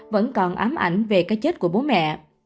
vẫn còn ám ảnh về cái chết của bố mẹ